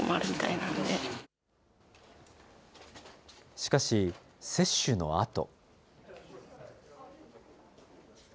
しかし、接種のあと。